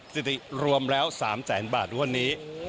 สิริรวมแล้ว๓แสนบาทวันนี้